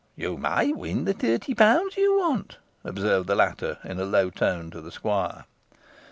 "You may win the thirty pounds you want," observed the latter, in a low tone to the squire.